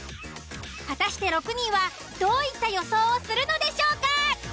果たして６人はどういった予想をするのでしょうか？